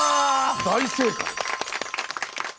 大正解！